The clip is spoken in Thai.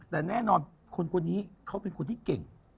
แต่แน่นอนคนคนนี้เขาเป็นคนที่เก่ง